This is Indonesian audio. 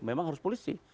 memang harus polisi